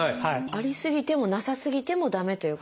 ありすぎてもなさすぎても駄目ということですね。